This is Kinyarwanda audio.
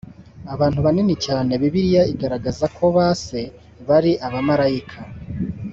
abantu banini cyane bibiliya igaragaza ko ba se bari abamarayika